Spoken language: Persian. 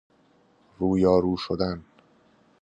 رویارو شدن